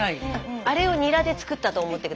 あれをニラで作ったと思って下さい。